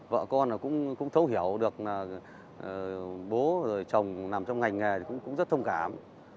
vợ con cũng thấu hiểu được bố chồng nằm trong ngành nghề cũng rất thông cảm